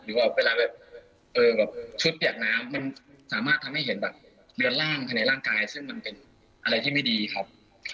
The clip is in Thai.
ว่าเวลาแบบชุดเปียกน้ำมันสามารถทำให้เห็นแบบเรือนล่างภายในร่างกายซึ่งมันเป็นอะไรที่ไม่ดีครับ